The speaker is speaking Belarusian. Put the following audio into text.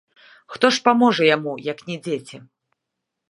Хто ж паможа яму, як не дзеці!